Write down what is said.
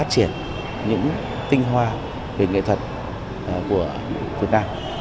chương trình nghệ thuật của việt nam